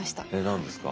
何ですか？